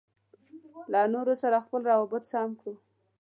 له نورو سره خپل روابط سم کړو.